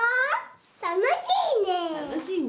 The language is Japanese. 楽しいね。